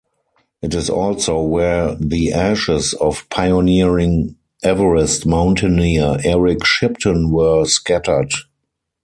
It is also where the ashes of pioneering Everest mountaineer Eric Shipton were scattered.